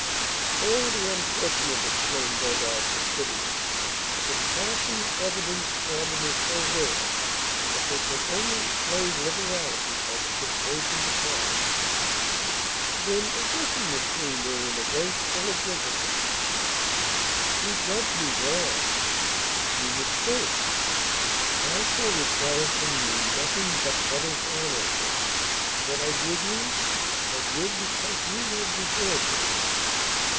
"Oh, the unfortunate!" exclaimed Rodolph, with bitterness. "The compassion evinced for them is so rare, that they can only explain liberality as a temptation to crime!" Then addressing the Chourineur, in a voice full of gentleness: "You judge me wrong, you mistake: I shall require from you nothing but what is honourable. What I give you, I give because you have deserved it."